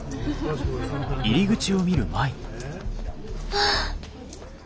ああ。